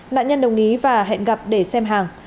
nạn nhân đồng ý và hẹn gặp để xem hàng